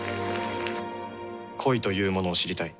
恋というものを知りたい。